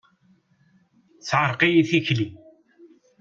Teɛreq-iyi tikli.